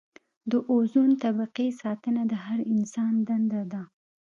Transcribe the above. د اوزون طبقې ساتنه د هر انسان دنده ده.